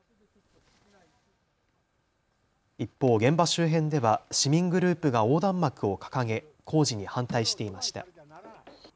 一方、現場周辺では市民グループが横断幕を掲げ工事に反対していました。